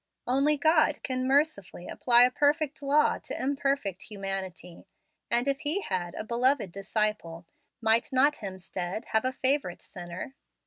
Only God can mercifully apply a perfect law to imperfect humanity, and if He had a "beloved disciple," might not Hemstead have a favorite sinner?